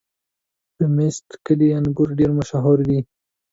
د میست کلي انګور ډېر مشهور دي.